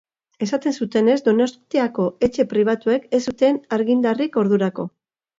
Esaten zutenez, Donostiako etxe pribatuek ez zuten argindarrik ordurako.